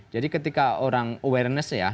jadi ketika orang awareness ya